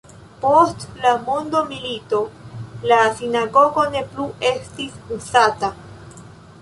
Post la mondomilito la sinagogo ne plu estis uzata.